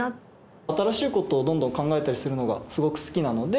新しいことをどんどん考えたりするのがすごく好きなので。